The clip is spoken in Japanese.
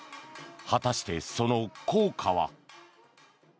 果たして、その効果は。